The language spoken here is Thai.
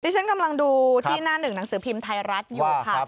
ฉันกำลังดูที่หน้าหนึ่งหนังสือพิมพ์ไทยรัฐอยู่ค่ะ